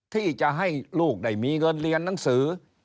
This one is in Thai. ที่จะให้ลูกได้มีเงินเรียนหนังสือ